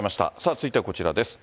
続いてはこちらです。